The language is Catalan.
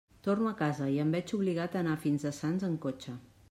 Torno a casa i em veig obligat a anar fins a Sants en cotxe.